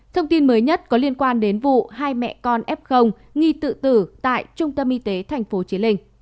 thông tin mới nhất có liên quan đến vụ hai mẹ con f nghi tự tử tại trung tâm y tế tp hcm